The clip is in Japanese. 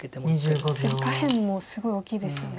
確かに下辺もすごい大きいですよね。